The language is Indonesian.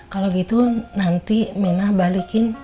kalau gitu nanti mina balikin